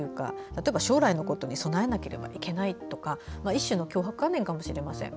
例えば将来のことに備えなきゃいけないとか一種の強迫観念かもしれません。